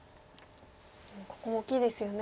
ここも大きいですよね。